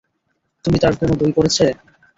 তুমি তাঁর কোনো বই পড়েছে?